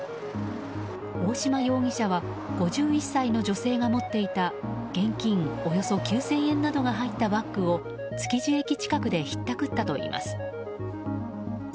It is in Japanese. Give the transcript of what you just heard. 大島容疑者は５１歳の女性が持っていた現金およそ９０００円などが入ったバッグを築地駅近くでひったくったといいます。